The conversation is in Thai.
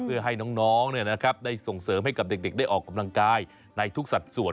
เพื่อให้น้องได้ส่งเสริมให้กับเด็กได้ออกกำลังกายในทุกสัดส่วน